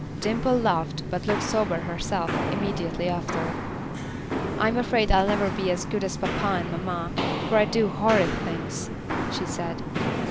Dimple laughed, but looked sober herself, immediately after. "I'm afraid I'll never be as good as papa and mamma, for I do horrid things," she said.